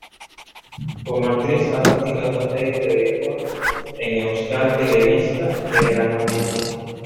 Como actriz ha participado en series de televisión en Euskal Telebista de gran audiencia.